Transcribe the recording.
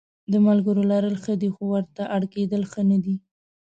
د ملګرو لرل ښه دي خو ورته اړ کېدل ښه نه دي.